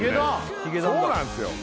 そうなんすよ